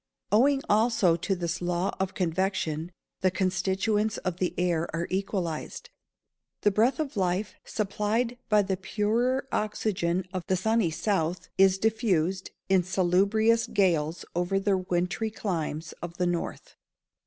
Owing, also, to this law of convection, the constituents of the air are equalised. The breath of life, supplied by the purer oxygen of the "sunny south," is diffused in salubrious gales over the wintry climes of the north.